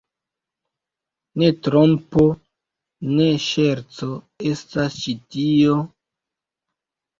Ne trompo, ne ŝerco estas ĉi tio?